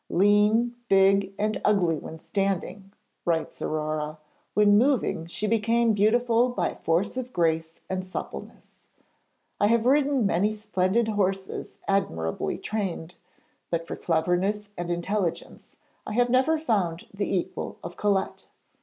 'Lean, big and ugly when standing,' writes Aurore, 'when moving she became beautiful by force of grace and suppleness. I have ridden many splendid horses admirably trained, but for cleverness and intelligence I have never found the equal of Colette.